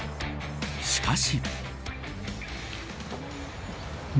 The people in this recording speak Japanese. しかし。